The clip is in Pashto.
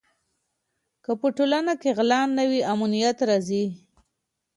که په ټولنه کې غلا نه وي نو امنیت راځي.